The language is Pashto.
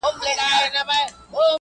آرمله هر خلي خځلې ته به لاس غځوې